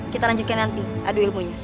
kita lanjutkan nanti adu ilmunya